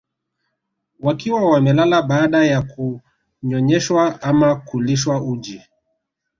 Wakiwa wamelala baada ya kunyonyeshwa ama kulishwa uji